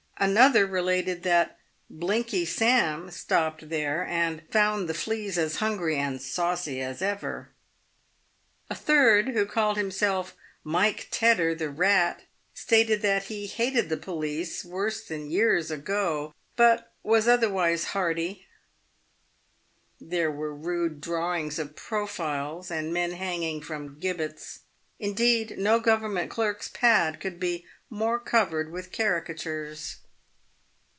Another re lated that " Blinky Sam" stopped there, and " found the fleas r aa hungry and saucy as ever." A third, who called himself "Mike Tedder, the Eat," stated that he " hated the police worse than years PAVED "WITH GOLD, 267 ago, but was otherwise hearty." There were rude drawings of pro files and men hanging from gibbets ; indeed, no Government clerk's pad could be more covered with caricatures.